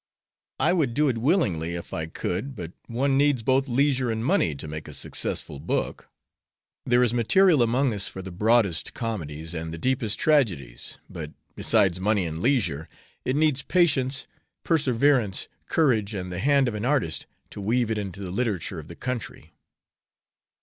"I would do it, willingly, if I could; but one needs both leisure and money to make a successful book. There is material among us for the broadest comedies and the deepest tragedies, but, besides money and leisure, it needs patience, perseverance, courage, and the hand of an artist to weave it into the literature of the country."